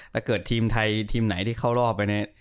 ถ้าเกิดทีมไทยทีมไหนที่เข้ารอบไปเนี่ย